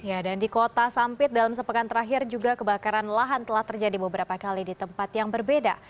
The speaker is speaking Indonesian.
ya dan di kota sampit dalam sepekan terakhir juga kebakaran lahan telah terjadi beberapa kali di tempat yang berbeda